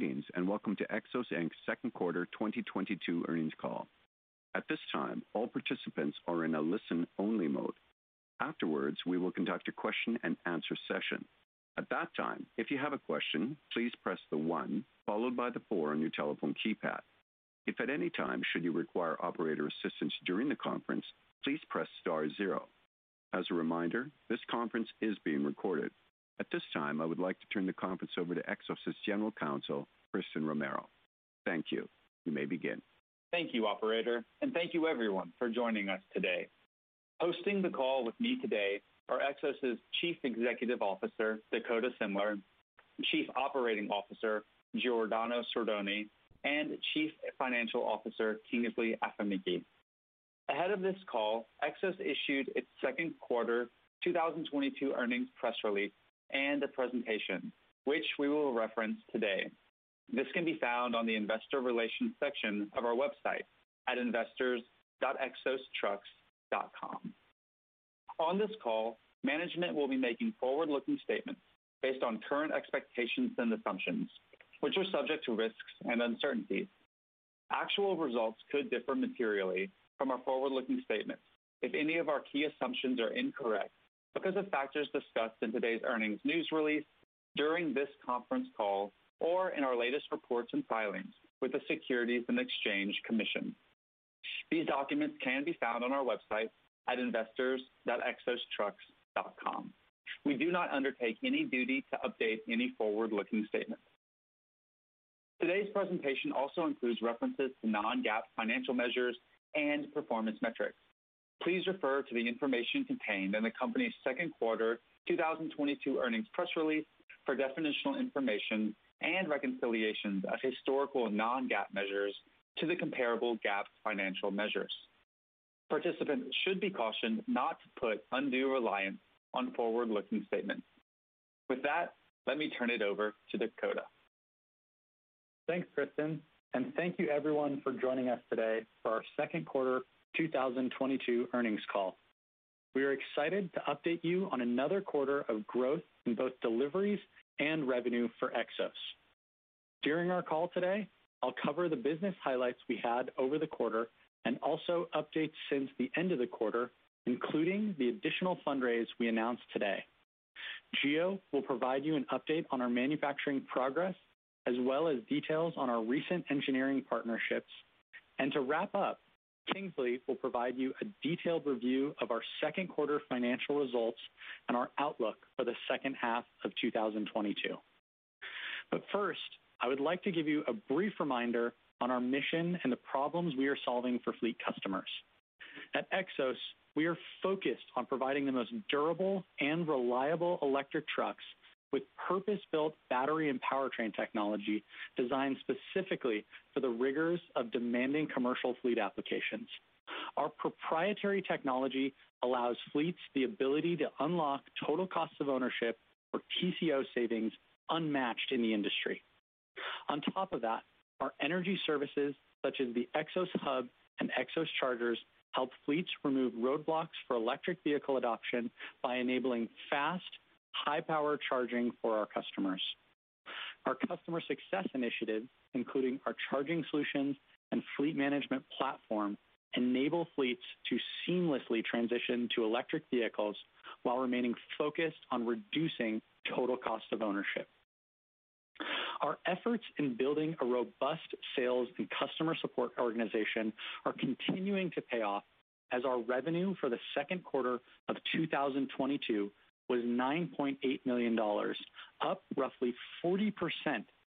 Greetings, and welcome to Xos, Inc's second quarter 2022 earnings call. At this time, all participants are in a listen-only mode. Afterwards, we will conduct a question-and-answer session. At that time, if you have a question, please press the one followed by the four on your telephone keypad. If at any time should you require operator assistance during the conference, please press star zero. As a reminder, this conference is being recorded. At this time, I would like to turn the conference over to Xos's General Counsel, Christen Romero. Thank you. You may begin. Thank you operator, and thank you everyone for joining us today. Hosting the call with me today are Xos's Chief Executive Officer, Dakota Semler, Chief Operating Officer, Giordano Sordoni, and Chief Financial Officer, Kingsley Afemikhe. Ahead of this call, Xos issued its second quarter 2022 earnings press release and a presentation which we will reference today. This can be found on the Investor Relations section of our website at investors.xostrucks.com. On this call, management will be making forward-looking statements based on current expectations and assumptions, which are subject to risks and uncertainties. Actual results could differ materially from our forward-looking statements if any of our key assumptions are incorrect because of factors discussed in today's earnings news release, during this conference call, or in our latest reports and filings with the Securities and Exchange Commission. These documents can be found on our website at investors.xostrucks.com. We do not undertake any duty to update any forward-looking statements. Today's presentation also includes references to non-GAAP financial measures and performance metrics. Please refer to the information contained in the company's second quarter 2022 earnings press release for definitional information and reconciliations of historical non-GAAP measures to the comparable GAAP financial measures. Participants should be cautioned not to put undue reliance on forward-looking statements. With that, let me turn it over to Dakota. Thanks, Christen, and thank you everyone for joining us today for our second quarter 2022 earnings call. We are excited to update you on another quarter of growth in both deliveries and revenue for Xos. During our call today, I'll cover the business highlights we had over the quarter and also updates since the end of the quarter, including the additional fundraise we announced today. Gio will provide you an update on our manufacturing progress, as well as details on our recent engineering partnerships. To wrap up, Kingsley will provide you a detailed review of our second quarter financial results and our outlook for the second half of 2022. First, I would like to give you a brief reminder on our mission and the problems we are solving for fleet customers. At Xos, we are focused on providing the most durable and reliable electric trucks with purpose-built battery and powertrain technology designed specifically for the rigors of demanding commercial fleet applications. Our proprietary technology allows fleets the ability to unlock total cost of ownership or TCO savings unmatched in the industry. On top of that, our energy services, such as the Xos Hub and Xos Chargers, help fleets remove roadblocks for electric vehicle adoption by enabling fast, high-power charging for our customers. Our customer success initiatives, including our charging solutions and fleet management platform, enable fleets to seamlessly transition to electric vehicles while remaining focused on reducing total cost of ownership. Our efforts in building a robust sales and customer support organization are continuing to pay off as our revenue for the second quarter of 2022 was $9.8 million, up roughly 40%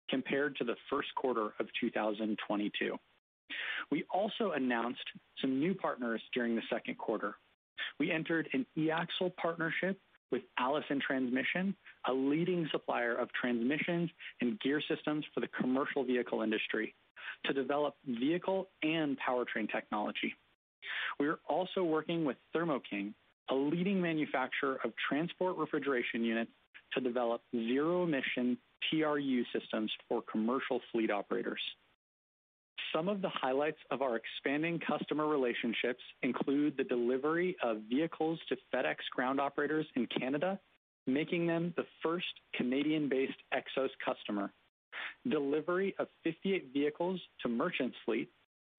compared to the first quarter of 2022. We also announced some new partners during the second quarter. We entered an e-axle partnership with Allison Transmission, a leading supplier of transmissions and gear systems for the commercial vehicle industry, to develop vehicle and powertrain technology. We are also working with Thermo King, a leading manufacturer of transport refrigeration units, to develop zero-emission TRU systems for commercial fleet operators. Some of the highlights of our expanding customer relationships include the delivery of vehicles to FedEx Ground operators in Canada, making them the first Canadian-based Xos customer. Delivery of 58 vehicles to Merchants Fleet,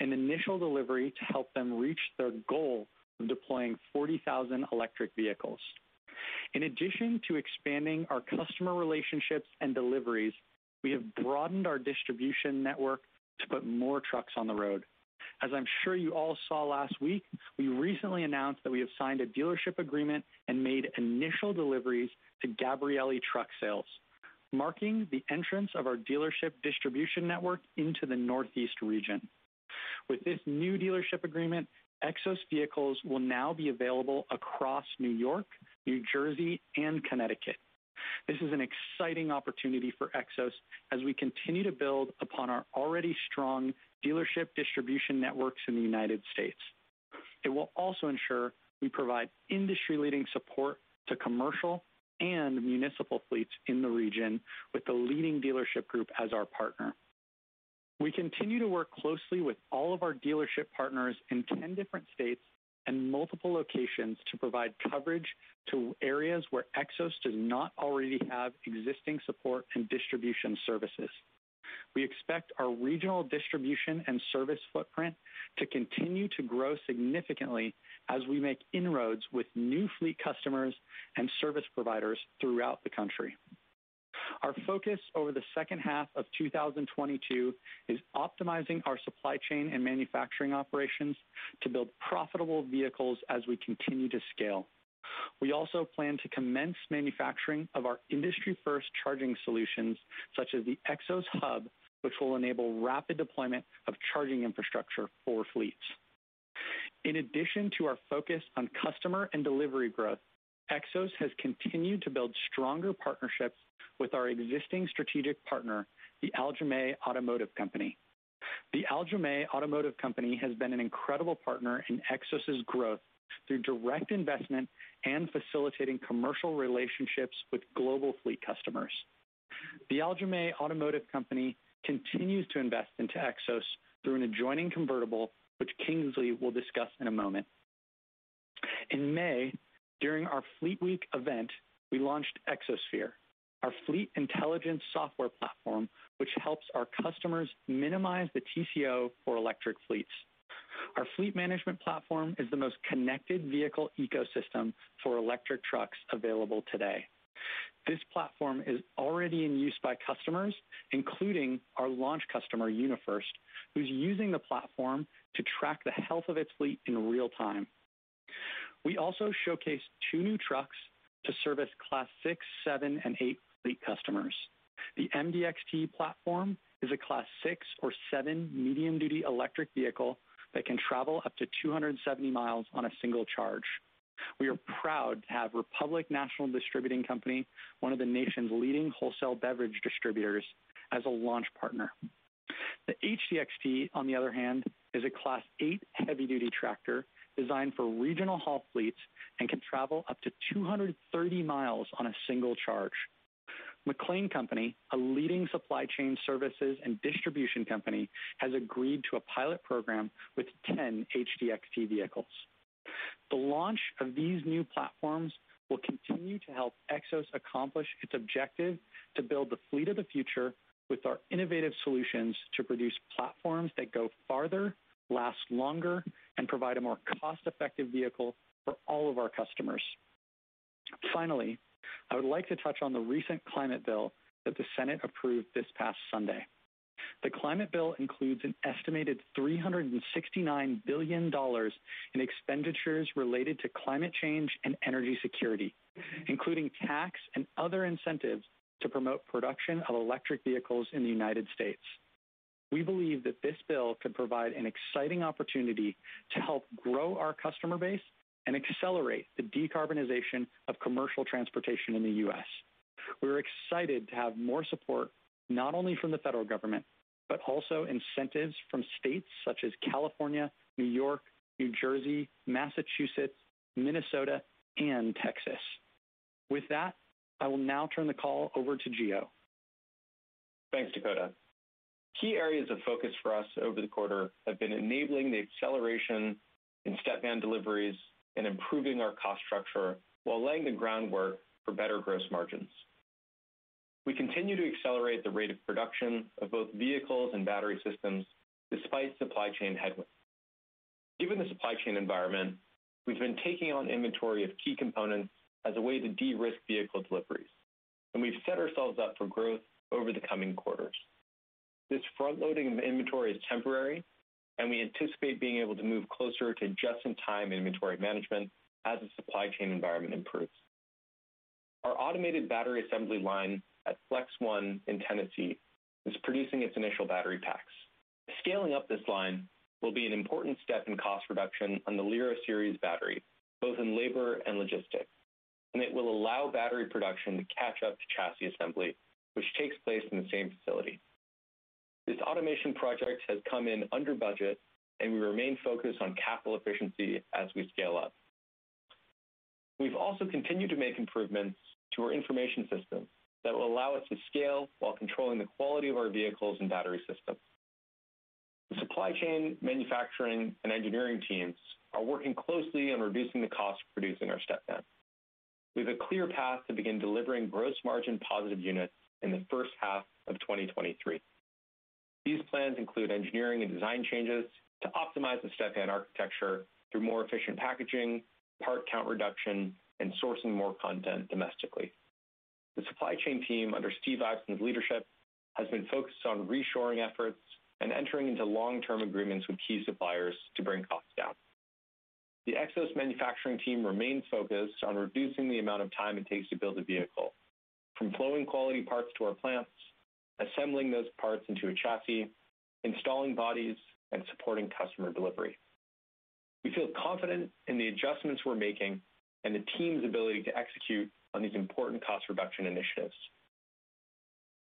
an initial delivery to help them reach their goal of deploying 40,000 electric vehicles. In addition to expanding our customer relationships and deliveries, we have broadened our distribution network to put more trucks on the road. As I'm sure you all saw last week, we recently announced that we have signed a dealership agreement and made initial deliveries to Gabrielli Truck Sales, marking the entrance of our dealership distribution network into the Northeast region. With this new dealership agreement, Xos vehicles will now be available across New York, New Jersey, and Connecticut. This is an exciting opportunity for Xos as we continue to build upon our already strong dealership distribution networks in the United States. It will also ensure we provide industry-leading support to commercial and municipal fleets in the region with the leading dealership group as our partner. We continue to work closely with all of our dealership partners in 10 different states and multiple locations to provide coverage to areas where Xos does not already have existing support and distribution services. We expect our regional distribution and service footprint to continue to grow significantly as we make inroads with new fleet customers and service providers throughout the country. Our focus over the second half of 2022 is optimizing our supply chain and manufacturing operations to build profitable vehicles as we continue to scale. We also plan to commence manufacturing of our industry-first charging solutions, such as the Xos Hub, which will enable rapid deployment of charging infrastructure for fleets. In addition to our focus on customer and delivery growth, Xos has continued to build stronger partnerships with our existing strategic partner, the Aljomaih Automotive Co. The Aljomaih Automotive Co has been an incredible partner in Xos's growth through direct investment and facilitating commercial relationships with global fleet customers. The Aljomaih Automotive Co continues to invest into Xos through an additional convertible, which Kingsley will discuss in a moment. In May, during our Fleet Week event, we launched Xosphere, our fleet intelligence software platform, which helps our customers minimize the TCO for electric fleets. Our fleet management platform is the most connected vehicle ecosystem for electric trucks available today. This platform is already in use by customers, including our launch customer, UniFirst, who's using the platform to track the health of its fleet in real time. We also showcased two new trucks to service Class 6, 7, and 8 fleet customers. The MDXT platform is a Class 6 or 7 medium-duty electric vehicle that can travel up to 270 mi on a single charge. We are proud to have Republic National Distributing Co, one of the nation's leading wholesale beverage distributors, as a launch partner. The HDXT, on the other hand, is a Class 8 heavy-duty tractor designed for regional-haul fleets and can travel up to 230 mi on a single charge. McLane Co, a leading supply chain services and distribution company, has agreed to a pilot program with 10 HDXT vehicles. The launch of these new platforms will continue to help Xos accomplish its objective to build the fleet of the future with our innovative solutions to produce platforms that go farther, last longer, and provide a more cost-effective vehicle for all of our customers. Finally, I would like to touch on the recent climate bill that the Senate approved this past Sunday. The climate bill includes an estimated $369 billion in expenditures related to climate change and energy security, including tax and other incentives to promote production of electric vehicles in the United States. We believe that this bill could provide an exciting opportunity to help grow our customer base and accelerate the decarbonization of commercial transportation in the U.S. We're excited to have more support, not only from the federal government, but also incentives from states such as California, New York, New Jersey, Massachusetts, Minnesota, and Texas. With that, I will now turn the call over to Gio. Thanks, Dakota. Key areas of focus for us over the quarter have been enabling the acceleration in Stepvan deliveries and improving our cost structure while laying the groundwork for better gross margins. We continue to accelerate the rate of production of both vehicles and battery systems despite supply chain headwinds. Given the supply chain environment, we've been taking on inventory of key components as a way to de-risk vehicle deliveries, and we've set ourselves up for growth over the coming quarters. This front-loading of inventory is temporary, and we anticipate being able to move closer to just-in-time inventory management as the supply chain environment improves. Our automated battery assembly line at Flex One in Tennessee is producing its initial battery packs. Scaling up this line will be an important step in cost reduction on the Lyra Series battery, both in labor and logistics, and it will allow battery production to catch up to chassis assembly, which takes place in the same facility. This automation project has come in under budget, and we remain focused on capital efficiency as we scale up. We've also continued to make improvements to our information systems that will allow us to scale while controlling the quality of our vehicles and battery systems. The supply chain, manufacturing, and engineering teams are working closely on reducing the cost of producing our Stepvan. We have a clear path to begin delivering gross margin positive units in the first half of 2023. These plans include engineering and design changes to optimize the Stepvan architecture through more efficient packaging, part count reduction, and sourcing more content domestically. The supply chain team, under Steve Oxley's leadership, has been focused on reshoring efforts and entering into long-term agreements with key suppliers to bring costs down. The Xos manufacturing team remains focused on reducing the amount of time it takes to build a vehicle, from flowing quality parts to our plants, assembling those parts into a chassis, installing bodies, and supporting customer delivery. We feel confident in the adjustments we're making and the team's ability to execute on these important cost reduction initiatives.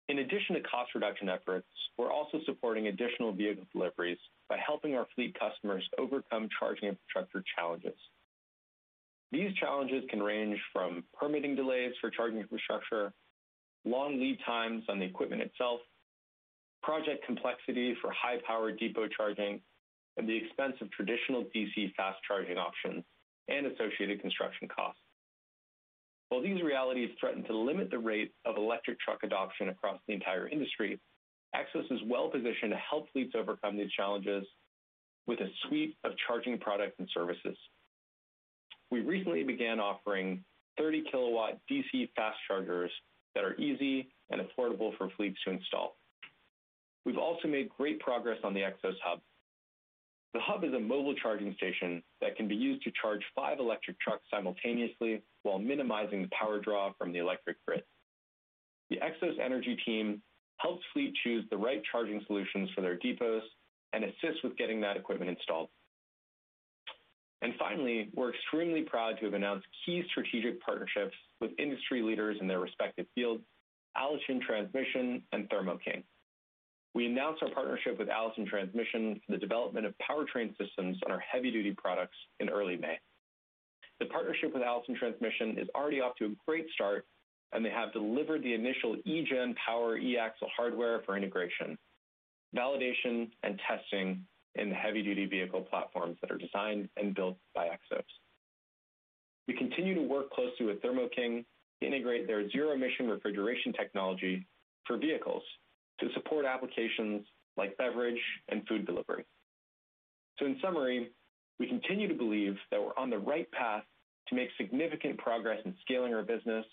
In addition to cost reduction efforts, we're also supporting additional vehicle deliveries by helping our fleet customers overcome charging infrastructure challenges. These challenges can range from permitting delays for charging infrastructure, long lead times on the equipment itself, project complexity for high power depot charging, and the expense of traditional DC fast charging options and associated construction costs. While these realities threaten to limit the rate of electric truck adoption across the entire industry, Xos is well positioned to help fleets overcome these challenges with a suite of charging products and services. We recently began offering 30 kW DC fast chargers that are easy and affordable for fleets to install. We've also made great progress on the Xos Hub. The Hub is a mobile charging station that can be used to charge five electric trucks simultaneously while minimizing the power draw from the electric grid. The Xos energy team helps fleet choose the right charging solutions for their depots and assists with getting that equipment installed. Finally, we're extremely proud to have announced key strategic partnerships with industry leaders in their respective fields, Allison Transmission and Thermo King. We announced our partnership with Allison Transmission for the development of powertrain systems on our heavy duty products in early May. The partnership with Allison Transmission is already off to a great start, and they have delivered the initial eGen Power e-axle hardware for integration, validation and testing in the heavy duty vehicle platforms that are designed and built by Xos. We continue to work closely with Thermo King to integrate their zero emission refrigeration technology for vehicles to support applications like beverage and food delivery. In summary, we continue to believe that we're on the right path to make significant progress in scaling our business,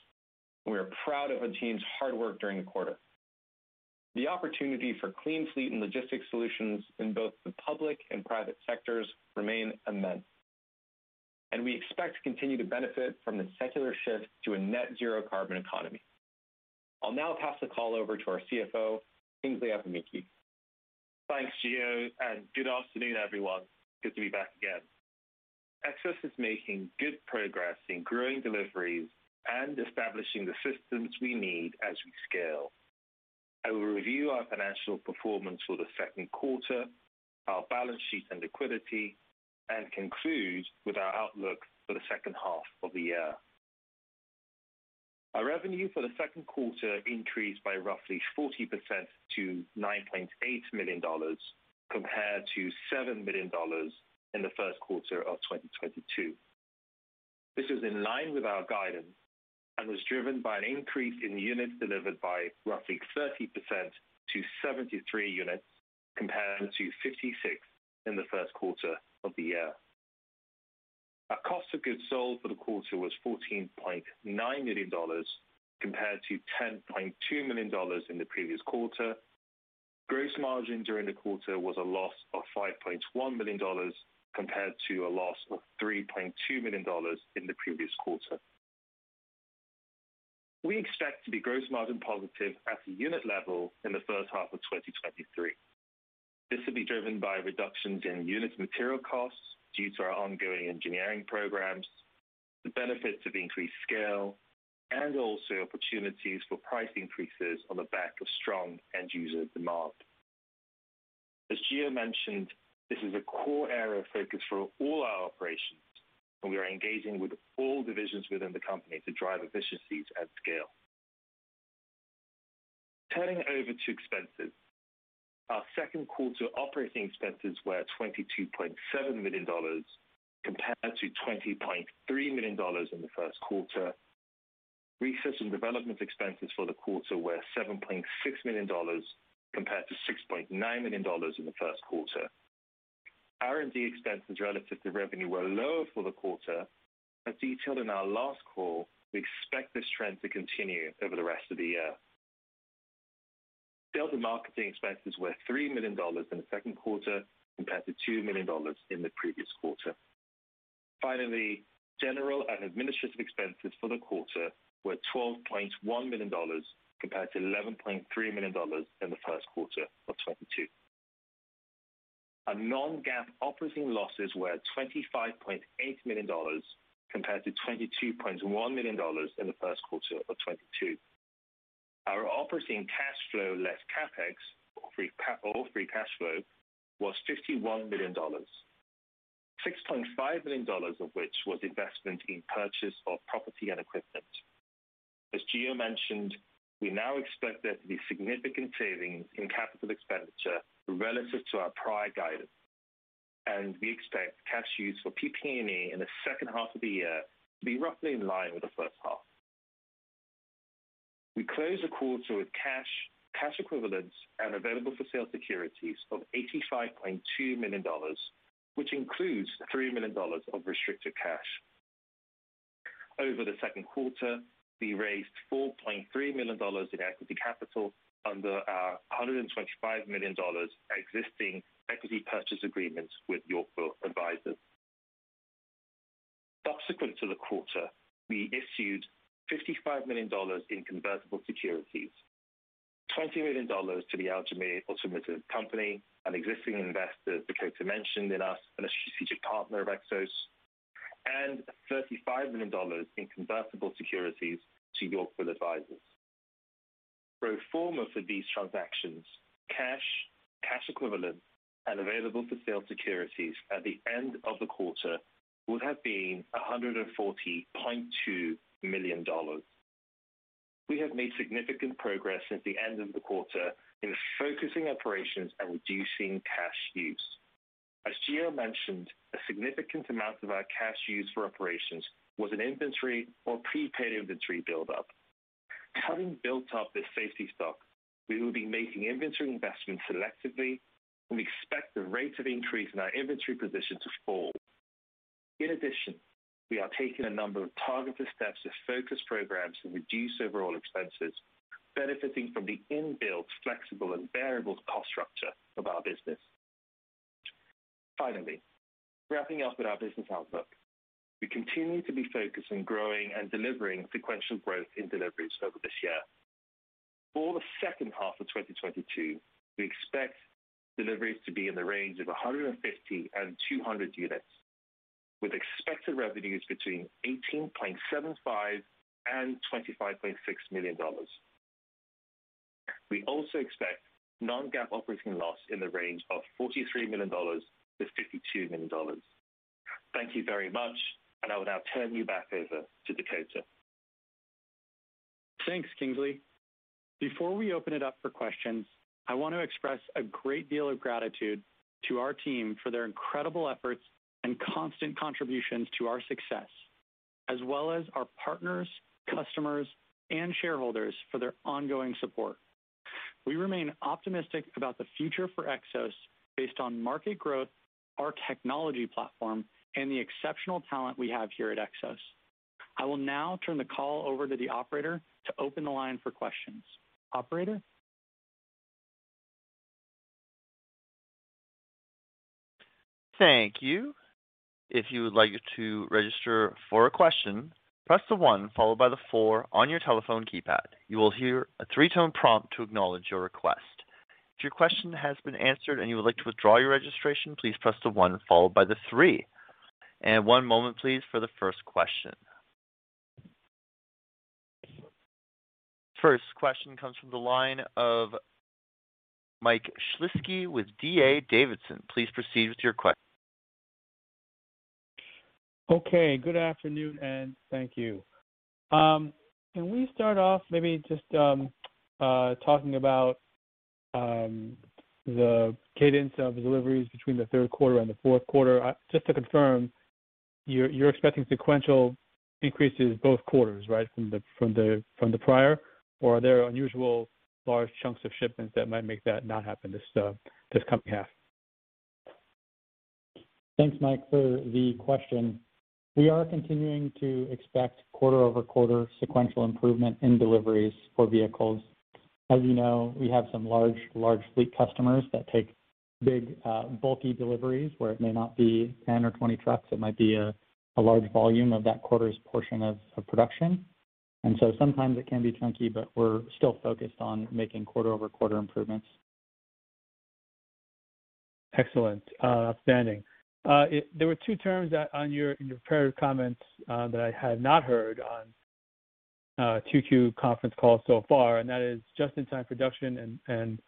and we are proud of our team's hard work during the quarter. The opportunity for clean fleet and logistics solutions in both the public and private sectors remain immense, and we expect to continue to benefit from the secular shift to a net zero carbon economy. I'll now pass the call over to our CFO, Kingsley Afemikhe. Thanks, Gio, and good afternoon, everyone. Good to be back again. Xos is making good progress in growing deliveries and establishing the systems we need as we scale. I will review our financial performance for the second quarter, our balance sheet and liquidity, and conclude with our outlook for the second half of the year. Our revenue for the second quarter increased by roughly 40% to $9.8 million compared to $7 million in the first quarter of 2022. This is in line with our guidance and was driven by an increase in units delivered by roughly 30% to 73 units, compared to 56 in the first quarter of the year. Our cost of goods sold for the quarter was $14.9 million compared to $10.2 million in the previous quarter. Gross margin during the quarter was a loss of $5.1 million compared to a loss of $3.2 million in the previous quarter. We expect to be gross margin positive at the unit level in the first half of 2023. This will be driven by reductions in unit material costs due to our ongoing engineering programs, the benefits of increased scale, and also opportunities for price increases on the back of strong end user demand. As Gio mentioned, this is a core area of focus for all our operations, and we are engaging with all divisions within the company to drive efficiencies at scale. Turning over to expenses. Our second quarter operating expenses were $22.7 million compared to $20.3 million in the first quarter. Research and development expenses for the quarter were $7.6 million compared to $6.9 million in the first quarter. R&D expenses relative to revenue were lower for the quarter. As detailed in our last call, we expect this trend to continue over the rest of the year. Sales and marketing expenses were $3 million in the second quarter compared to $2 million in the previous quarter. Finally, general and administrative expenses for the quarter were $12.1 million compared to $11.3 million in the first quarter of 2022. Our non-GAAP operating losses were $25.8 million compared to $22.1 million in the first quarter of 2022. Our operating cash flow less CapEx or free cash flow was $51 million. $6.5 million of which was investment in purchase of property and equipment. As Gio mentioned, we now expect there to be significant savings in capital expenditure relative to our prior guidance, and we expect cash use for PP&E in the second half of the year to be roughly in line with the first half. We closed the quarter with cash equivalents and available for sale securities of $85.2 million, which includes $3 million of restricted cash. Over the second quarter, we raised $4.3 million in equity capital under our $125 million existing equity purchase agreement with Yorkville Advisors. Subsequent to the quarter, we issued $55 million in convertible securities, $20 million to the Aljomaih Automotive Co, an existing investor Dakota mentioned and a strategic partner of Xos, and $35 million in convertible securities to Yorkville Advisors. Pro forma for these transactions, cash equivalents, and available for sale securities at the end of the quarter would have been $140.2 million. We have made significant progress since the end of the quarter in focusing operations and reducing cash use. As Gio mentioned, a significant amount of our cash used for operations was an inventory or prepaid inventory buildup. Having built up this safety stock, we will be making inventory investments selectively, and we expect the rate of increase in our inventory position to fall. In addition, we are taking a number of targeted steps to focus programs and reduce overall expenses, benefiting from the inbuilt flexible and variable cost structure of our business. Finally, wrapping up with our business outlook. We continue to be focused on growing and delivering sequential growth in deliveries over this year. For the second half of 2022, we expect deliveries to be in the range of 150 and 200 units, with expected revenues between $18.75 million and $25.6 million. We also expect non-GAAP operating loss in the range of $43 million to $52 million. Thank you very much, and I will now turn you back over to Dakota. Thanks, Kingsley. Before we open it up for questions, I want to express a great deal of gratitude to our team for their incredible efforts and constant contributions to our success, as well as our partners, customers, and shareholders for their ongoing support. We remain optimistic about the future for Xos based on market growth, our technology platform, and the exceptional talent we have here at Xos. I will now turn the call over to the operator to open the line for questions. Operator? Thank you. If you would like to register for a question, press one followed by four on your telephone keypad. You will hear a three-tone prompt to acknowledge your request. If your question has been answered and you would like to withdraw your registration, please press one followed by three. One moment, please, for the first question. First question comes from the line of Mike Shlisky with D.A. Davidson. Please proceed with your que- Okay. Good afternoon, and thank you. Can we start off maybe just talking about the cadence of deliveries between the third quarter and the fourth quarter? Just to confirm, you're expecting sequential increases both quarters, right? From the prior? Or are there unusual large chunks of shipments that might make that not happen this coming half? Thanks, Mike, for the question. We are continuing to expect quarter-over-quarter sequential improvement in deliveries for vehicles. As you know, we have some large fleet customers that take big, bulky deliveries where it may not be 10 or 20 trucks. It might be a large volume of that quarter's portion of production. Sometimes it can be chunky, but we're still focused on making quarter-over-quarter improvements. Excellent. Outstanding. There were two terms that in your prepared comments that I had not heard on a Q2 conference call so far, and that is just-in-time production and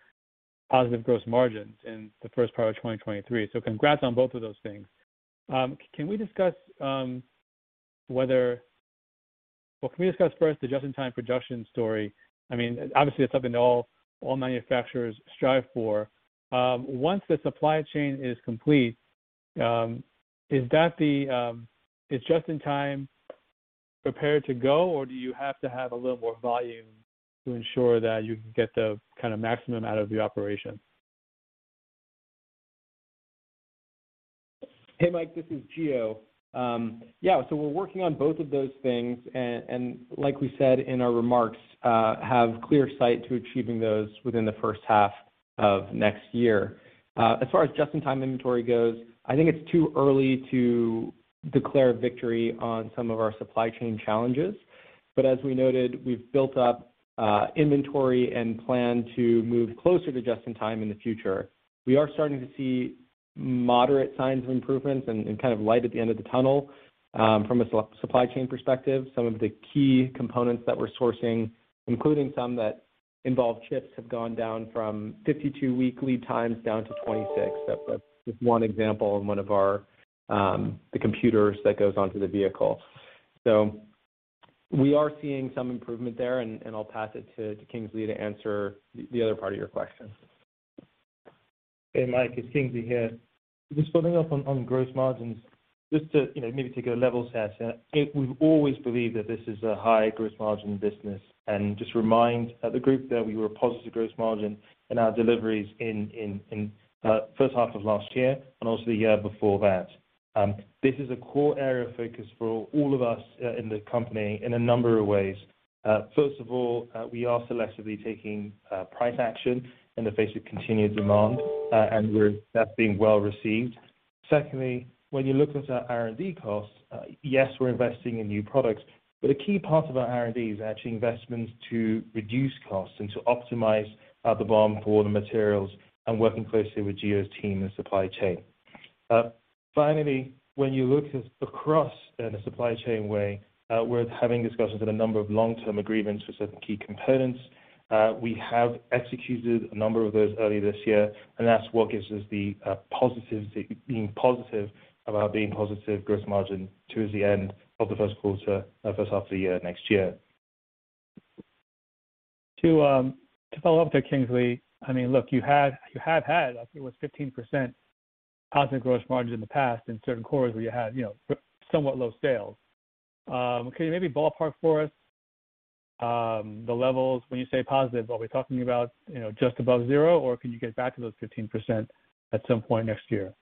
positive gross margins in the first part of 2023. Congrats on both of those things. Can we discuss first the just-in-time production story? I mean, obviously that's something all manufacturers strive for. Once the supply chain is complete, is just-in-time prepared to go, or do you have to have a little more volume to ensure that you can get the kinda maximum out of the operation? Hey, Mike, this is Gio. Yeah. We're working on both of those things and like we said in our remarks, have clear sight to achieving those within the first half of next year. As far as just-in-time inventory goes, I think it's too early to declare victory on some of our supply chain challenges. We've built up inventory and plan to move closer to just-in-time in the future. We are starting to see moderate signs of improvements and kind of light at the end of the tunnel from a supply chain perspective. Some of the key components that we're sourcing, including some that involve chips, have gone down from 52-week lead times down to 26. That's just one example in one of our computers that goes onto the vehicle. We are seeing some improvement there, and I'll pass it to Kingsley to answer the other part of your question. Hey, Mike, it's Kingsley here. Just following up on gross margins, just to, you know, maybe take a level set. We've always believed that this is a high gross margin business. Just remind the group that we were a positive gross margin in our deliveries in the first half of last year and also the year before that. This is a core area of focus for all of us in the company in a number of ways. First of all, we are selectively taking price action in the face of continued demand, and we're, that's being well-received. Secondly, when you look at our R&D costs, yes, we're investing in new products, but a key part of our R&D is actually investments to reduce costs and to optimize the BOM for the materials and working closely with Gio's team and supply chain. Finally, when you look across in a supply chain way, we're having discussions with a number of long-term agreements with certain key components. We have executed a number of those early this year, and that's what gives us the positivity, being positive about positive gross margin towards the end of the first half of the year next year. To follow-up there, Kingsley. I mean, look, you have had, I think it was 15% positive gross margin in the past in certain quarters where you had, you know, somewhat low sales. Can you maybe ballpark for us the levels when you say positive? Are we talking about, you know, just above zero, or can you get back to those 15% at some point next year?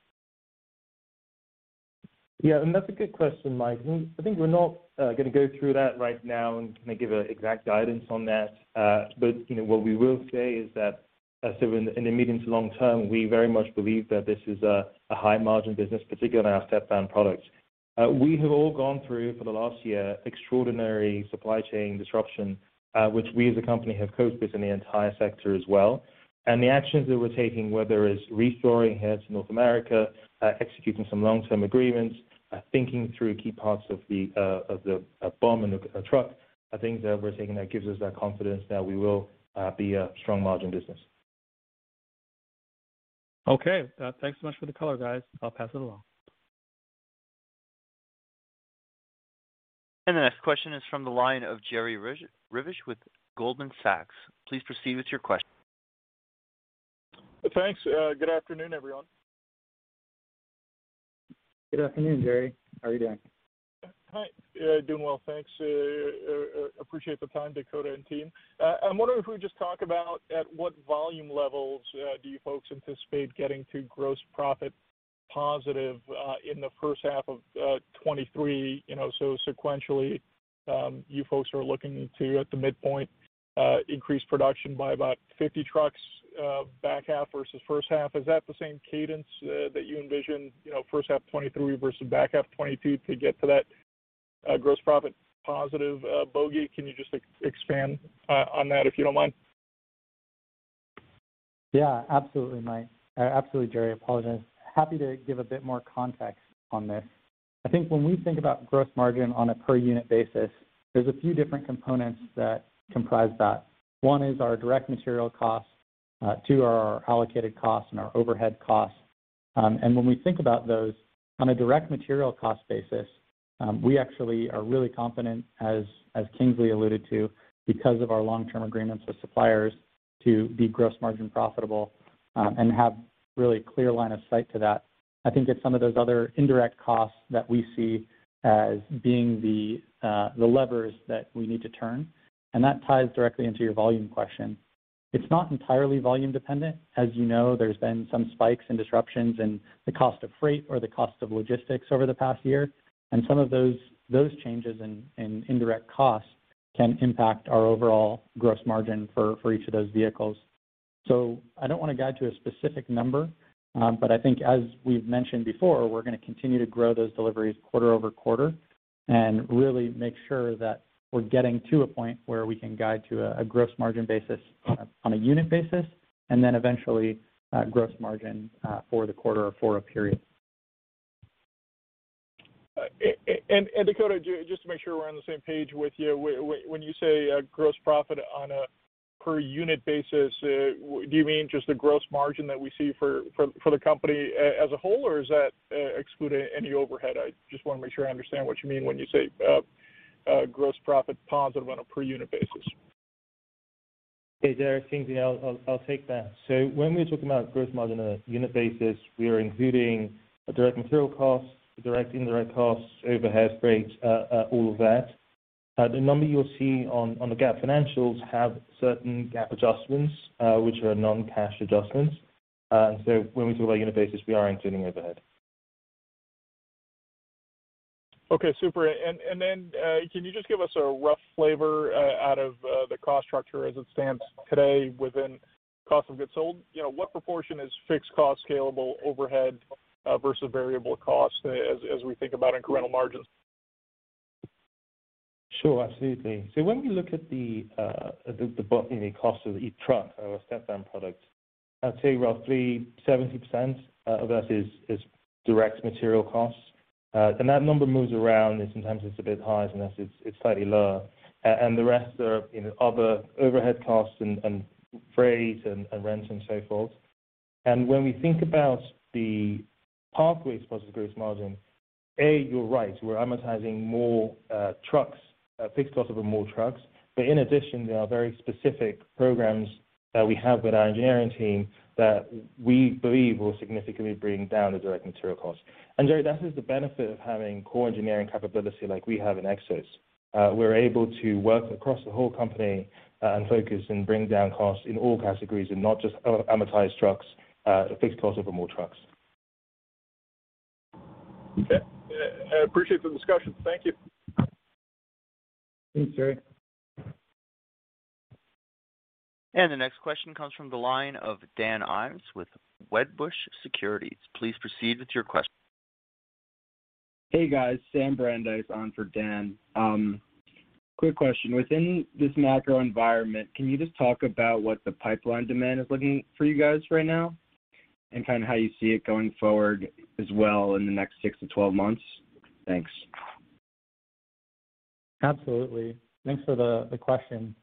Yeah, that's a good question, Mike. I think we're not gonna go through that right now and kind of give an exact guidance on that. You know, what we will say is that in the medium to long term, we very much believe that this is a high margin business, particularly on our Stepvan products. We have all gone through, for the last year, extraordinary supply chain disruption, which we as a company have coped with and the entire sector as well. The actions that we're taking, whether it's reshoring here to North America, executing some long-term agreements, thinking through key parts of the BOM and the truck, are things that we're taking that gives us that confidence that we will be a strong margin business. Okay. Thanks so much for the color, guys. I'll pass it along. The next question is from the line of Jerry Revich with Goldman Sachs. Please proceed with your question. Thanks. Good afternoon, everyone. Good afternoon, Jerry. How are you doing? Hi. Doing well, thanks. Appreciate the time, Dakota and team. I'm wondering if we could just talk about at what volume levels do you folks anticipate getting to gross profit positive in the first half of 2023. You know, so sequentially, you folks are looking to, at the midpoint, increase production by about 50 trucks back half versus first half. Is that the same cadence that you envision, you know, first half 2023 versus back half 2022 to get to that gross profit positive bogey? Can you just expand on that, if you don't mind? Yeah, absolutely, Mike. Absolutely, Jerry. Apologies. Happy to give a bit more context on this. I think when we think about gross margin on a per unit basis, there's a few different components that comprise that. One is our direct material costs, two are our allocated costs and our overhead costs. When we think about those, on a direct material cost basis, we actually are really confident as Kingsley alluded to, because of our long-term agreements with suppliers to be gross margin profitable, and have really clear line of sight to that. I think it's some of those other indirect costs that we see as being the levers that we need to turn. That ties directly into your volume question. It's not entirely volume dependent. As you know, there's been some spikes and disruptions in the cost of freight or the cost of logistics over the past year. Some of those changes in indirect costs can impact our overall gross margin for each of those vehicles. I don't wanna guide to a specific number, but I think as we've mentioned before, we're gonna continue to grow those deliveries quarter-over-quarter and really make sure that we're getting to a point where we can guide to a gross margin basis on a unit basis, and then eventually, gross margin for the quarter or for a period. Dakota, just to make sure we're on the same page with you, when you say gross profit on a per unit basis, do you mean just the gross margin that we see for the company as a whole, or is that excluding any overhead? I just wanna make sure I understand what you mean when you say gross profit positive on a per unit basis. Hey, Jerry. Kingsley. I'll take that. When we're talking about gross margin on a unit basis, we are including direct material costs, direct and indirect costs, overhead, freight, all of that. The number you'll see on the GAAP financials have certain GAAP adjustments, which are non-cash adjustments. When we talk about unit basis, we are including overhead. Okay, super. Can you just give us a rough flavor out of the cost structure as it stands today within cost of goods sold? You know, what proportion is fixed cost scalable overhead versus variable cost as we think about incremental margins? Sure, absolutely. When we look at the cost of each truck, our Stepvan product, I'd say roughly 70% of that is direct material costs. That number moves around, and sometimes it's a bit higher, sometimes it's slightly lower. The rest are, you know, other overhead costs and freight and rent and so forth. When we think about the pathways towards gross margin, A, you're right, we're amortizing more trucks fixed cost over more trucks. In addition, there are very specific programs that we have with our engineering team that we believe will significantly bring down the direct material costs. Jerry, that is the benefit of having core engineering capability like we have in Xos. We're able to work across the whole company and focus and bring down costs in all categories and not just amortize fixed cost over more trucks. Okay. I appreciate the discussion. Thank you. Thanks, Jerry. The next question comes from the line of Dan Ives with Wedbush Securities. Please proceed with your question. Hey, guys. Sam Brandeis on for Dan. Quick question. Within this macro environment, can you just talk about what the pipeline demand is looking for you guys right now and kind of how you see it going forward as well in the next six-12 months? Thanks. Absolutely. Thanks for the question.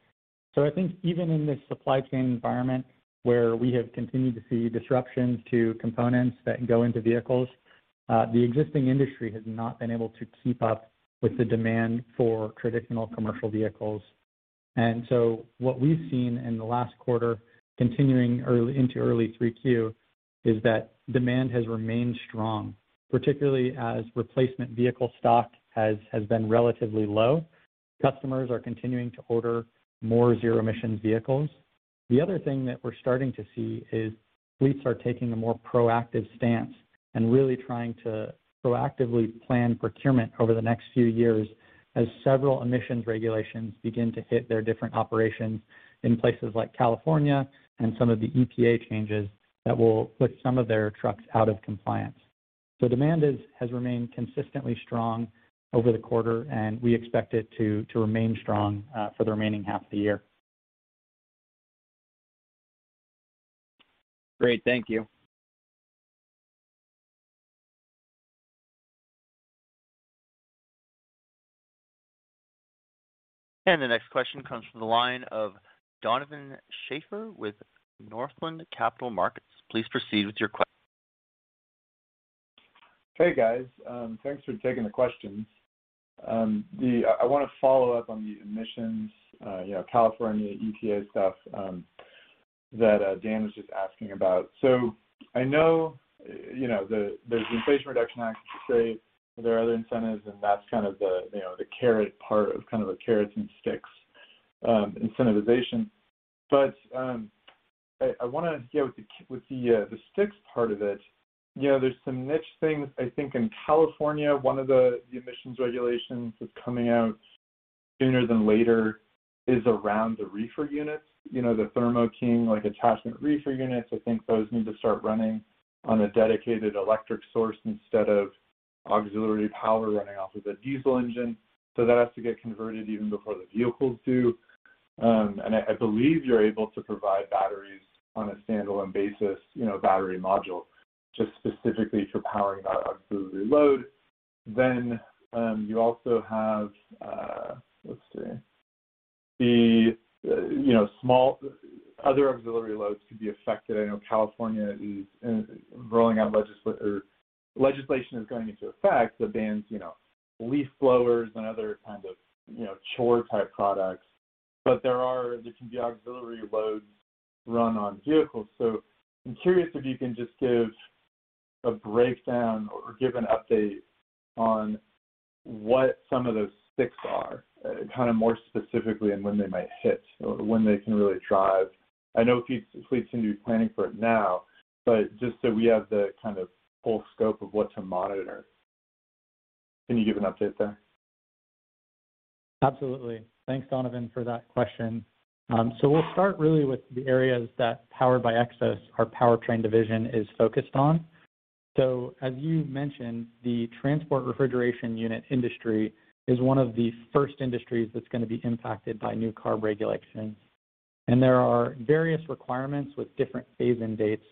I think even in this supply chain environment where we have continued to see disruptions to components that go into vehicles, the existing industry has not been able to keep up with the demand for traditional commercial vehicles. What we've seen in the last quarter continuing into early 3Q is that demand has remained strong, particularly as replacement vehicle stock has been relatively low. Customers are continuing to order more zero-emission vehicles. The other thing that we're starting to see is fleets are taking a more proactive stance and really trying to proactively plan procurement over the next few years as several emissions regulations begin to hit their different operations in places like California and some of the EPA changes that will put some of their trucks out of compliance. Demand has remained consistently strong over the quarter, and we expect it to remain strong for the remaining half of the year. Great. Thank you. The next question comes from the line of Donovan Schafer with Northland Capital Markets. Please proceed with your question. Hey, guys. Thanks for taking the questions. I wanna follow-up on the emissions, you know, California EPA stuff, that Dan was just asking about. I know, you know, there's the Inflation Reduction Act, say, there are other incentives, and that's kind of the, you know, the carrot part of kind of a carrots and sticks, incentivization. I wanna get with the sticks part of it. You know, there's some niche things, I think, in California, one of the emissions regulations is coming out sooner than later is around the reefer units. You know, the Thermo King like attachment reefer units. I think those need to start running on a dedicated electric source instead of auxiliary power running off of a diesel engine. That has to get converted even before the vehicles do. I believe you're able to provide batteries on a standalone basis, you know, battery module, just specifically for powering that auxiliary load. You also have other auxiliary loads could be affected. I know California legislation is going into effect that bans, you know, leaf blowers and other kind of, you know, chore-type products. There can be auxiliary loads run on vehicles. I'm curious if you can just give a breakdown or give an update on what some of those acts are, kind of more specifically and when they might hit or when they can really drive. I know fleets can be planning for it now, but just so we have the kind of full scope of what to monitor. Can you give an update there? Absolutely. Thanks, Donovan, for that question. We'll start really with the areas that Powered by Xos, our powertrain division, is focused on. As you mentioned, the transport refrigeration unit industry is one of the first industries that's gonna be impacted by new CARB regulations. There are various requirements with different phase-in dates,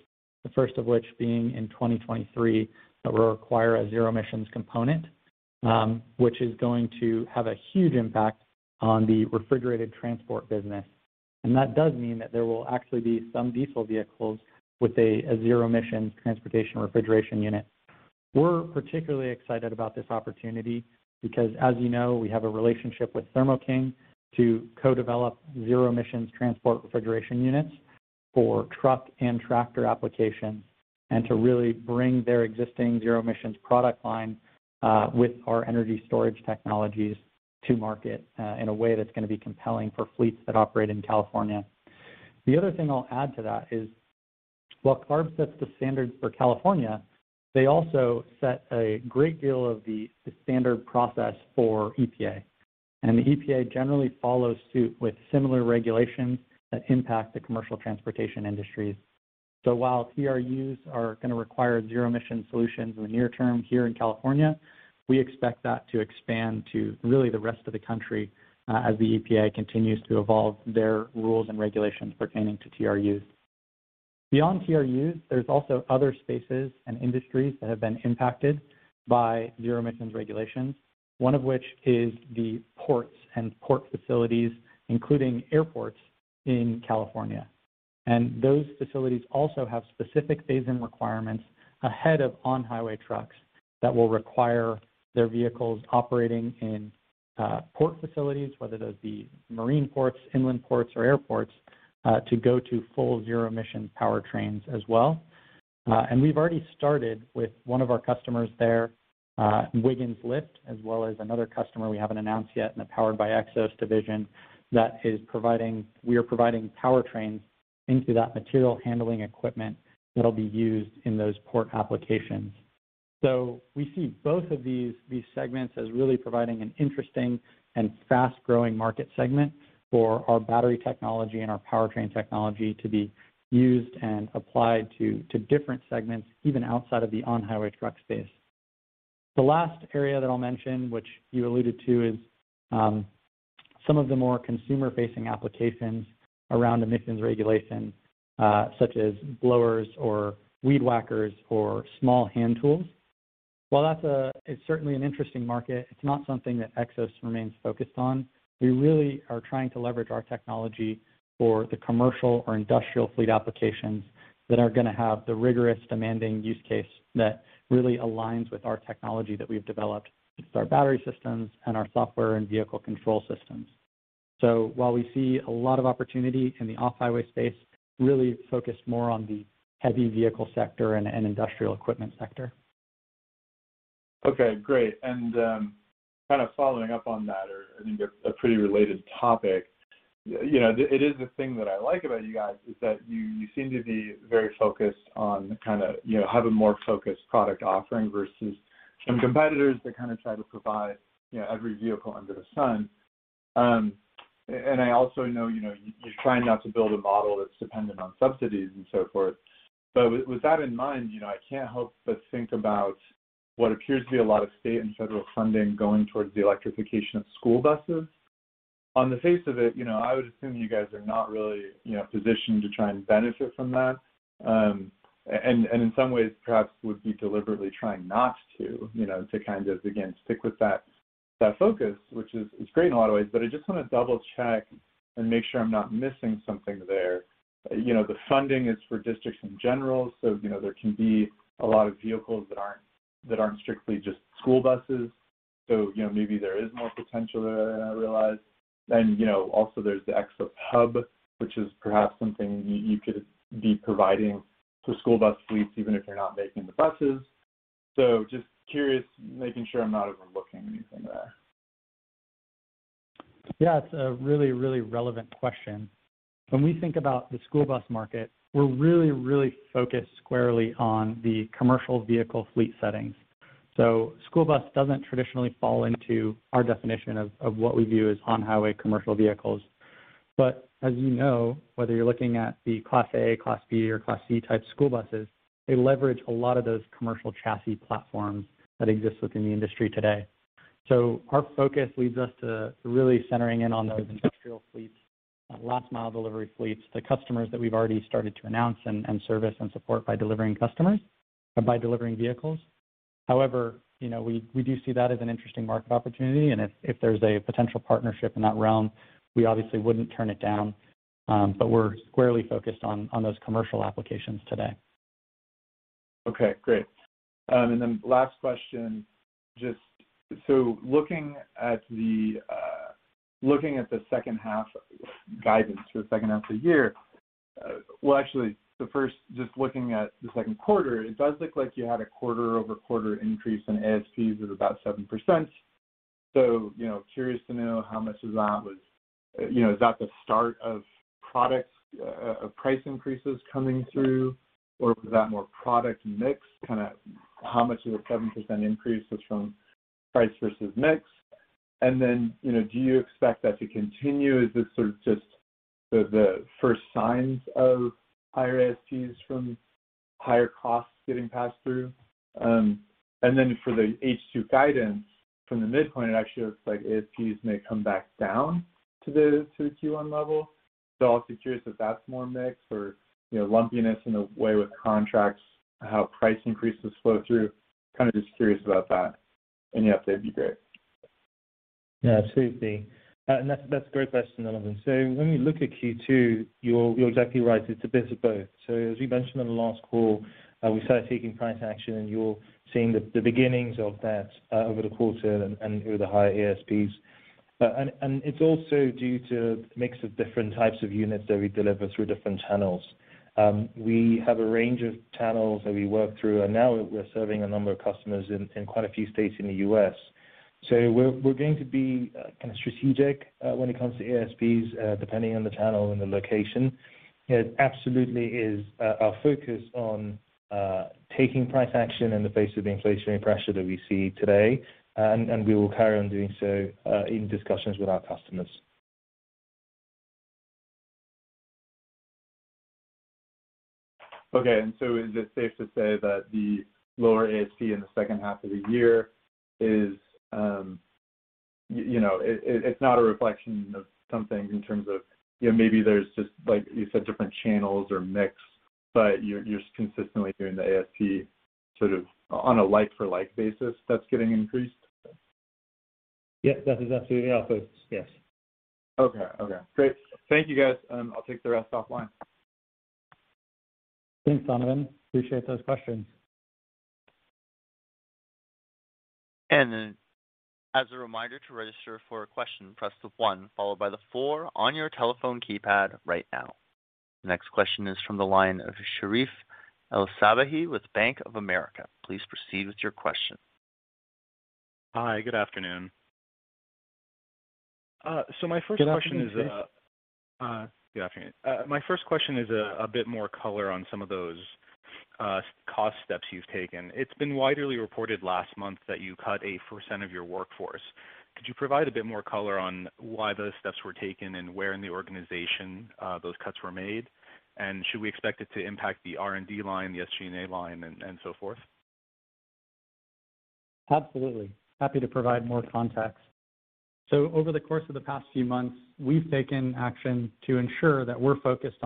the first of which being in 2023, that will require a zero emissions component, which is going to have a huge impact on the refrigerated transport business. That does mean that there will actually be some diesel vehicles with a zero emission transportation refrigeration unit. We're particularly excited about this opportunity because, as you know, we have a relationship with Thermo King to co-develop zero emission transport refrigeration units for truck and tractor applications and to really bring their existing zero emissions product line with our energy storage technologies to market in a way that's gonna be compelling for fleets that operate in California. The other thing I'll add to that is, while CARB sets the standard for California, they also set a great deal of the standard process for EPA. The EPA generally follows suit with similar regulations that impact the commercial transportation industries. While TRUs are gonna require zero emission solutions in the near term here in California, we expect that to expand to really the rest of the country as the EPA continues to evolve their rules and regulations pertaining to TRUs. Beyond TRUs, there's also other spaces and industries that have been impacted by zero emissions regulations, one of which is the ports and port facilities, including airports in California. Those facilities also have specific phase-in requirements ahead of on-highway trucks that will require their vehicles operating in port facilities, whether those be marine ports, inland ports, or airports, to go to full zero emission powertrains as well. We've already started with one of our customers there, Wiggins Lift, as well as another customer we haven't announced yet in the Powered by Xos division. We are providing powertrains into that material handling equipment that'll be used in those port applications. We see both of these segments as really providing an interesting and fast-growing market segment for our battery technology and our powertrain technology to be used and applied to different segments, even outside of the on-highway truck space. The last area that I'll mention, which you alluded to, is some of the more consumer-facing applications around emissions regulation, such as blowers or weed whackers or small hand tools. While that's an interesting market, it's not something that Xos remains focused on. We really are trying to leverage our technology for the commercial or industrial fleet applications that are gonna have the rigorous, demanding use case that really aligns with our technology that we've developed with our battery systems and our software and vehicle control systems. While we see a lot of opportunity in the off-highway space, really focused more on the heavy vehicle sector and industrial equipment sector. Okay, great. Kind of following up on that or I think a pretty related topic, you know, it is the thing that I like about you guys is that you seem to be very focused on kinda, you know, have a more focused product offering versus some competitors that kind of try to provide, you know, every vehicle under the sun. I also know, you know, you're trying not to build a model that's dependent on subsidies and so forth. With that in mind, you know, I can't help but think about what appears to be a lot of state and federal funding going towards the electrification of school buses. On the face of it, you know, I would assume you guys are not really, you know, positioned to try and benefit from that. In some ways perhaps would be deliberately trying not to, you know, to kind of again stick with that focus, which is great in a lot of ways. I just wanna double-check and make sure I'm not missing something there. You know, the funding is for districts in general, so, you know, there can be a lot of vehicles that aren't strictly just school buses. You know, maybe there is more potential than I realize? You know, also there's the Xos Hub, which is perhaps something you could be providing to school bus fleets even if you're not making the buses. Just curious, making sure I'm not overlooking anything there? Yeah, it's a really, really relevant question. When we think about the school bus market, we're really, really focused squarely on the commercial vehicle fleet setting. School bus doesn't traditionally fall into our definition of what we view as on-highway commercial vehicles. As you know, whether you're looking at the Class A, Class B, or Class C type school buses, they leverage a lot of those commercial chassis platforms that exist within the industry today. Our focus leads us to really centering in on those industrial fleets, last mile delivery fleets, the customers that we've already started to announce and service and support by delivering vehicles. However, you know, we do see that as an interesting market opportunity, and if there's a potential partnership in that realm, we obviously wouldn't turn it down. We're squarely focused on those commercial applications today. Okay, great. Last question. Looking at the second half guidance for the second half of the year. Well, actually, looking at the second quarter, it does look like you had a quarter-over-quarter increase in ASPs of about 7%. You know, curious to know how much of that was. You know, is that the start of price increases coming through, or was that more product mix? Kinda how much of the 7% increase was from price versus mix? You know, do you expect that to continue? Is this sort of just the first signs of higher ASPs from higher costs getting passed through? For the H2 guidance, from the midpoint, it actually looks like ASPs may come back down to the Q1 level. Also curious if that's more mix or, you know, lumpiness in the way with contracts, how price increases flow through? Kind of just curious about that. Any update would be great. Yeah, absolutely. That's a great question, Donovan. When we look at Q2, you're exactly right. It's a bit of both. As we mentioned on the last call, we started taking price action, and you're seeing the beginnings of that over the quarter and with the higher ASPs. It's also due to a mix of different types of units that we deliver through different channels. We have a range of channels that we work through, and now we're serving a number of customers in quite a few states in the U.S. We're going to be kind of strategic when it comes to ASPs depending on the channel and the location. It absolutely is our focus on taking price action in the face of the inflationary pressure that we see today. We will carry on doing so in discussions with our customers. Okay. Is it safe to say that the lower ASP in the second half of the year is, you know, it's not a reflection of something in terms of, you know, maybe there's just, like you said, different channels or mix, but you're consistently hearing the ASP sort of on a like for like basis that's getting increased? Yeah. That is absolutely our focus. Yes. Okay. Great. Thank you guys, and I'll take the rest offline. Thanks, Donovan. Appreciate those questions. As a reminder to register for a question, press the one followed by the four on your telephone keypad right now. The next question is from the line of Sherif El-Sabbahy with Bank of America. Please proceed with your question. Hi, good afternoon. My first question is, Good afternoon. Good afternoon. My first question is a bit more color on some of those cost steps you've taken. It's been widely reported last month that you cut 10% of your workforce. Could you provide a bit more color on why those steps were taken and where in the organization those cuts were made? Should we expect it to impact the R&D line, the SG&A line, and so forth? Absolutely. Happy to provide more context. Over the course of the past few months, we've taken action to ensure that we're focused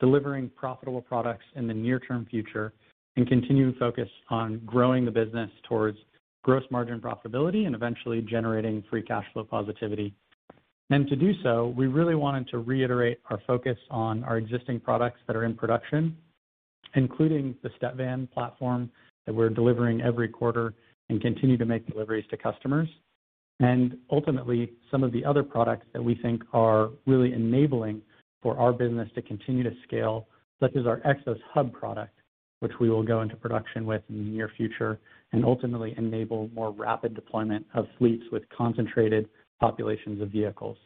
on delivering profitable products in the near-term future and continuing focus on growing the business towards gross margin profitability and eventually generating free cash flow positivity. To do so, we really wanted to reiterate our focus on our existing products that are in production, including the Stepvan platform that we're delivering every quarter and continue to make deliveries to customers. Ultimately, some of the other products that we think are really enabling for our business to continue to scale, such as our Xos Hub product, which we will go into production with in the near future and ultimately enable more rapid deployment of fleets with concentrated populations of vehicles.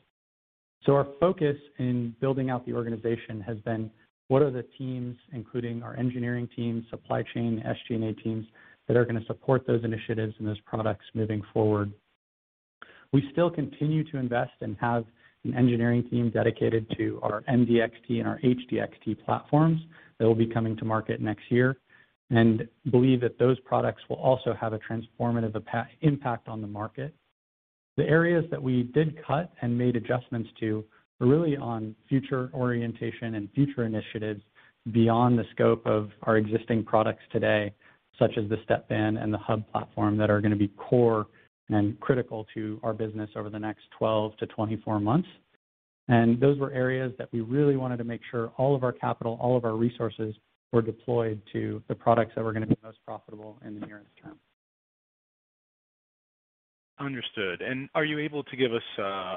Our focus in building out the organization has been what are the teams, including our engineering teams, supply chain, SG&A teams, that are gonna support those initiatives and those products moving forward. We still continue to invest and have an engineering team dedicated to our MDXT and our HDXT platforms that will be coming to market next year and believe that those products will also have a transformative impact on the market. The areas that we did cut and made adjustments to were really on future orientation and future initiatives beyond the scope of our existing products today, such as the Stepvan and the Xos Hub platform that are gonna be core and critical to our business over the next 12-24 months. Those were areas that we really wanted to make sure all of our capital, all of our resources were deployed to the products that were gonna be most profitable in the nearest term. Understood. Are you able to give us a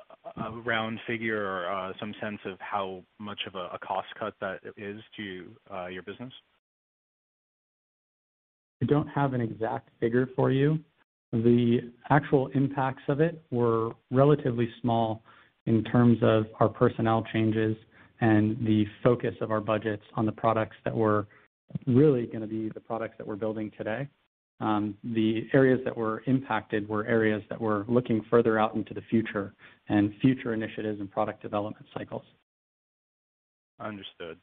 round figure or some sense of how much of a cost cut that is to your business? I don't have an exact figure for you. The actual impacts of it were relatively small in terms of our personnel changes and the focus of our budgets on the products that were really gonna be the products that we're building today. The areas that were impacted were areas that were looking further out into the future and future initiatives and product development cycles. Understood.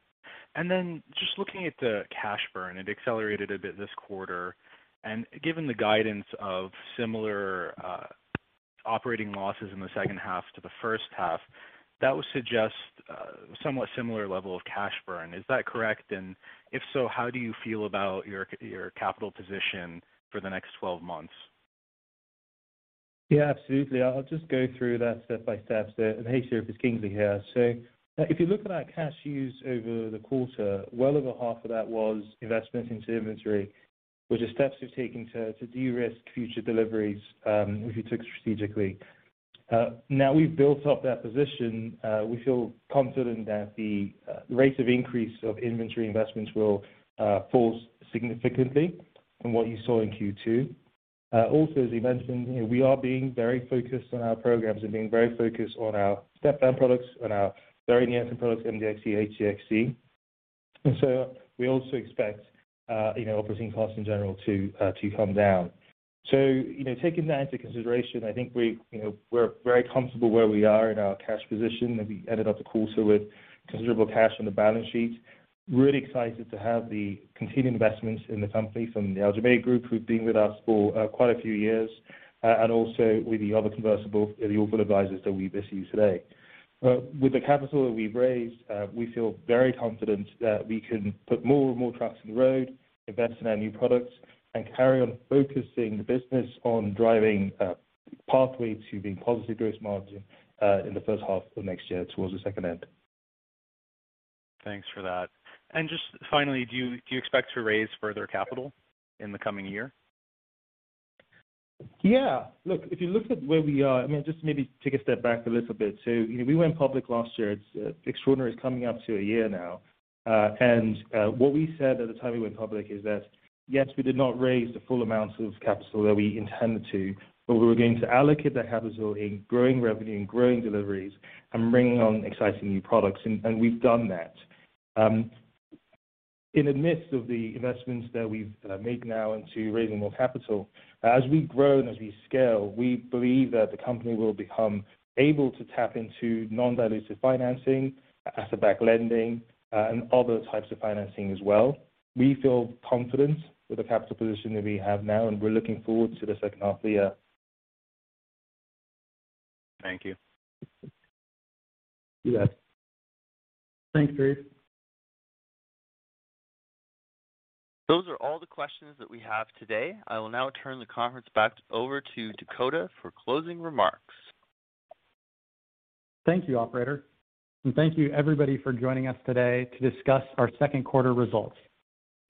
Then just looking at the cash burn, it accelerated a bit this quarter. Given the guidance of similar operating losses in the second half to the first half, that would suggest somewhat similar level of cash burn. Is that correct? If so, how do you feel about your capital position for the next 12 months? Yeah, absolutely. I'll just go through that by step. Hey, Sherif, it's Kingsley here. If you look at our cash use over the quarter, well over half of that was investments into inventory, which are steps we've taken to de-risk future deliveries, which we took strategically. Now we've built up that position, we feel confident that the rate of increase of inventory investments will fall significantly from what you saw in Q2. Also, as we mentioned, you know, we are being very focused on our programs and being very focused on our Stepvan products and our very near-term products, MDXT, HDXT. We also expect, you know, operating costs in general to come down. You know, taking that into consideration, I think we, you know, we're very comfortable where we are in our cash position, and we ended up the quarter with considerable cash on the balance sheet. Really excited to have the continued investments in the company from the Aljomaih Group, who've been with us for quite a few years, and also with the other convertible, the Yorkville Advisors that we've issued today. With the capital that we've raised, we feel very confident that we can put more and more trucks on the road, invest in our new products, and carry on focusing the business on driving a pathway to being positive gross margin in the first half of next year towards the second half. Thanks for that. Just finally, do you expect to raise further capital in the coming year? Yeah. Look, if you look at where we are, I mean, just maybe take a step back a little bit. You know, we went public last year. It's extraordinary. It's coming up to a year now. What we said at the time we went public is that, yes, we did not raise the full amount of capital that we intended to, but we were going to allocate that capital in growing revenue and growing deliveries and bringing on exciting new products, and we've done that. In the midst of the investments that we've made now into raising more capital, as we grow and as we scale, we believe that the company will become able to tap into non-dilutive financing, asset-backed lending, and other types of financing as well. We feel confident with the capital position that we have now, and we're looking forward to the second half of the year. Thank you. You bet. Thanks, Sherif. Those are all the questions that we have today. I will now turn the conference back over to Dakota for closing remarks. Thank you, operator, and thank you everybody for joining us today to discuss our second quarter results.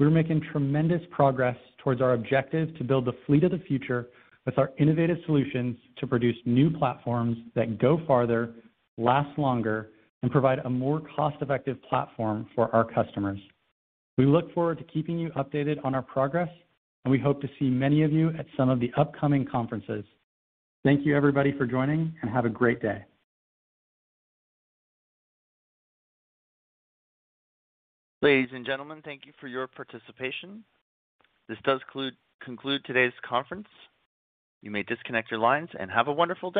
We're making tremendous progress towards our objective to build the fleet of the future with our innovative solutions to produce new platforms that go farther, last longer, and provide a more cost-effective platform for our customers. We look forward to keeping you updated on our progress, and we hope to see many of you at some of the upcoming conferences. Thank you, everybody, for joining, and have a great day. Ladies and gentlemen, thank you for your participation. This does conclude today's conference. You may disconnect your lines and have a wonderful day.